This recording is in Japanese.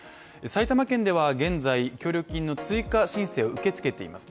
埼玉県では現在、協力金の追加申請を受け付けています。